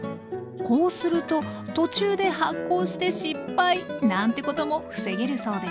こうすると途中で発酵して失敗なんてことも防げるそうです